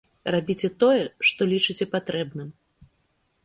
Рабіце тое, што лічыце патрэбным.